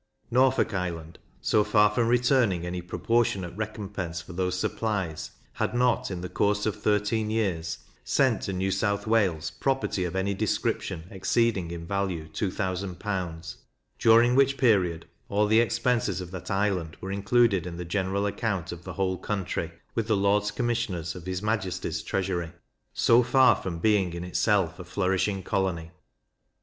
Norfolk Island, so far from returning any proportionate recompense for those supplies, had not, in the course of thirteen years, sent to New South Wales property of any description exceeding in value 2000L.; during which period all the expenses of that island were included in the general account of the whole country with the Lords Commissioners of his Majesty's Treasury. So far from being in itself a flourishing colony.